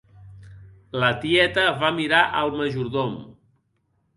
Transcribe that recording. La tieta va mirar el majordom.